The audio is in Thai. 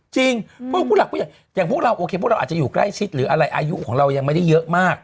ผู้หลักผู้ใหญ่อย่างพวกเราโอเคพวกเราอาจจะอยู่ใกล้ชิดหรืออะไรอายุของเรายังไม่ได้เยอะมาก